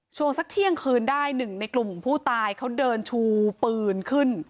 ช่วงสักเที่ยงคืนได้หนึ่งในกลุ่มผู้ตายเขาเดินชูปืนขึ้น